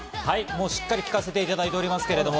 しっかり聴かせていただいています。